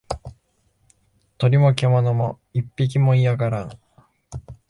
鳥も獣も一匹も居やがらん